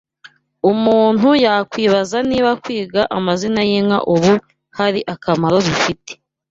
Umuntu yakwibaza niba kwiga amazina y’inka ubu hari akamaro bifite